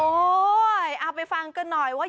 โอ้โฮเอาไปฟังกันหน่อยว่า